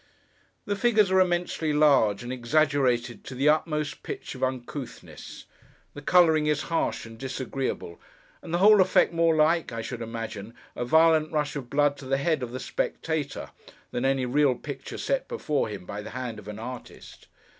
The figures are immensely large, and exaggerated to the utmost pitch of uncouthness; the colouring is harsh and disagreeable; and the whole effect more like (I should imagine) a violent rush of blood to the head of the spectator, than any real picture set before him by the hand of an artist.